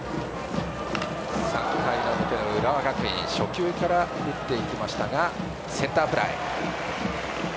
３回の表の浦和学院初球から打っていきましたがセンターフライ。